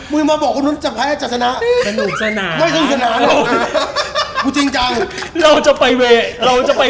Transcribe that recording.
เป็นหนุชนา